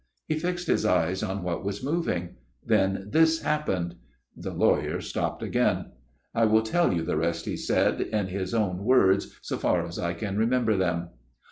He fixed his eyes on what was moving. Then this happened." The lawyer stopped again. " I will tell you the rest," he said, " in his own words, so far as I remember them.